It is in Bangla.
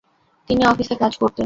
তিনি অফিসে কাজ করতেন।